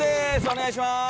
お願いします。